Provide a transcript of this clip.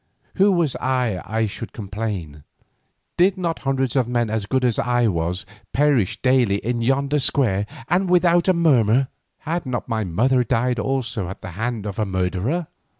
Who was I that I should complain? Did not hundreds of men as good as I was perish daily in yonder square, and without a murmur? Had not my mother died also at the hand of a murderer?